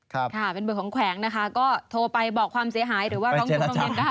ค่ะเป็นเบอร์ของแขวงนะคะก็โทรไปบอกความเสียหายหรือว่าร้องทุกข์โรงเรียนได้